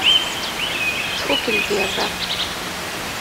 Tfukk lgira.